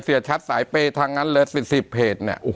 เสียชัดสายเปย์ทางนั้นเลย๑๐เพจเนี่ย